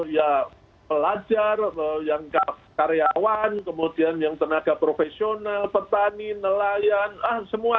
ya pelajar yang karyawan kemudian yang tenaga profesional petani nelayan ah semua